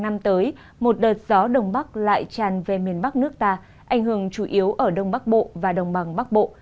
năm tới một đợt gió đông bắc lại tràn về miền bắc nước ta ảnh hưởng chủ yếu ở đông bắc bộ và đồng bằng bắc bộ